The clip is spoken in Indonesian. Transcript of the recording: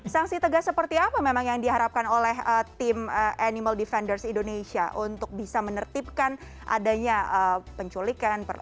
sanksi tegas seperti apa memang yang diharapkan oleh tim animal defenders indonesia untuk bisa menertibkan adanya penculikan